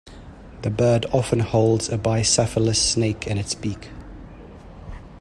The bird often holds a bicephalous snake in its beak.